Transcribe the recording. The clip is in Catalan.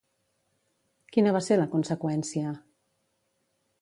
Quina va ser la conseqüència?